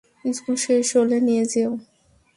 School শেষ হলে নিয়ে যেও।